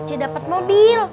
akhirnya kamu dia